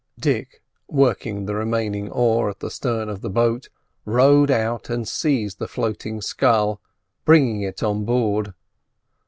Dick, working the remaining oar at the stern of the boat, rowed out and seized the floating scull, bringing it on board.